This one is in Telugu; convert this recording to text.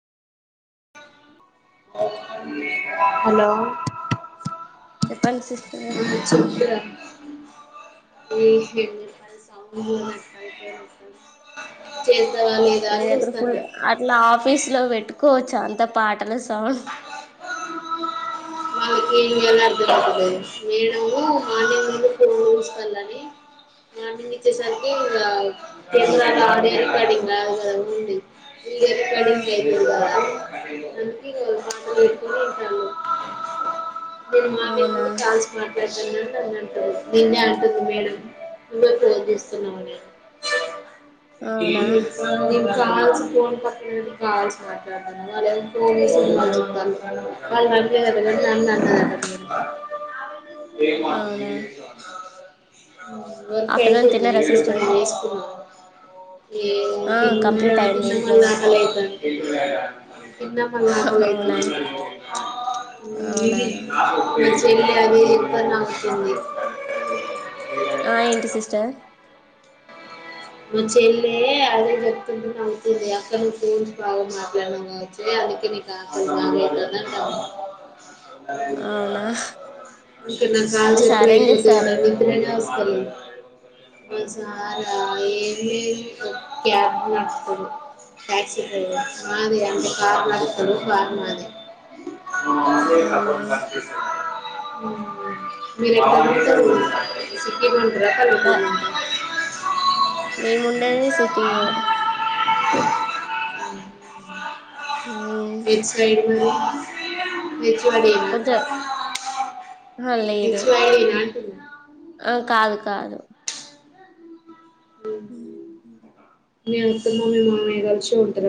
హలో చెప్పండి సిస్టర్ ఆ చెపూరా స న దగ్గర ఫుల్ అట్లా ఆఫీస్ లో పెట్టుకోవచ్చు అంత పాటల సౌండ్ వానకి ఎలా అర్థపవుతు మేడ మాన్ందు పరు చూసుకలని ఆ నిండి ఇచ్చేసరికి ఇ ఆడ ఏర్ పడి కద ఉండి ఆ ఇక్కడి కునింటా నేను మామ ముందు అవునా కాల్సి మా ంట దీన్నే అంటుంది మేడం నువ్వే ప్రోత్నిస్తున్నావు నేను అవునా కా పో ప కా మాట్ అ అన్నదట అవునా [unintelligible] వర్క్ ఆఫ్టర్నూన్ అయిన తిన్నారా ఎప్పు ప సిస్టర్ వసుకు ఆ ఏన్న కంప్లీట్ అయింది అటి్యషన్ ఇంట్లో వరకు మలాకలైత విన్న పంగలు అయితు అవునా అవునా మ చెల్లిి అది ఎక్కుడ నాకుస్తుంది ఆ ఏంటి సిస్టర్ మంచిల్ళలే అదే చెప్తుంట అవుతుంది అక్కడ ను ఫన్ బాగా మాట్లాడన కావచ్చతే [unintelligible] అవునా ఇంకా నా కాల్చ మీ ఎప్పుడ సార్ ఏం అయిపోతే నా చేస్తారు మత్రైన సలా ఏది క్యాబ్ నస్తడు టక్స డైవ మాది అంత కార్ మా చలు కార్ మాది అవునా [unintelligible] మీ [unintelligible] రఫలు గుంది మేముండేది సిటీయే అ వచవడినా కొంచెం ఆ, లేదు నివానా ఆ కాదు కాదు మీత్త మామే మామే గల్ చీ ఉంటారు